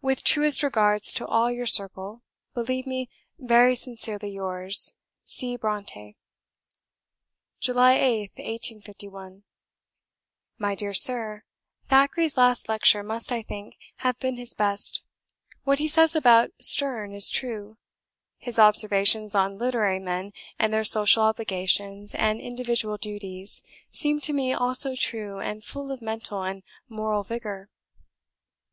With truest regards to all your circle, believe me very sincerely yours, C. BRONTË." "July 8th, 1851. "My dear Sir, Thackeray's last lecture must, I think, have been his best. What he says about Sterne is true. His observations on literary men, and their social obligations and individual duties, seem to me also true and full of mental and moral vigour.